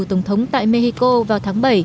tổng thống tại mexico vào tháng bảy